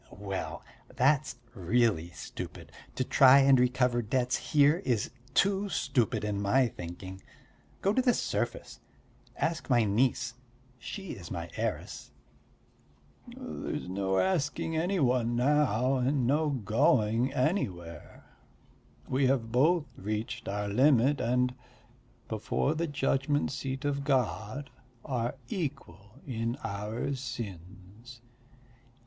"Well, that's really stupid; to try and recover debts here is too stupid, to my thinking! Go to the surface. Ask my niece she is my heiress." "There's no asking any one now, and no going anywhere. We have both reached our limit and, before the judgment seat of God, are equal in our sins."